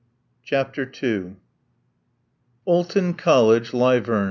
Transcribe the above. CHAPTER II Alton College, Lyvem.